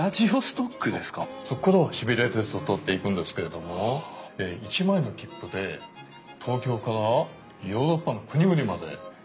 そこからはシベリア鉄道通っていくんですけれども１枚の切符で東京からヨーロッパの国々まで行ける。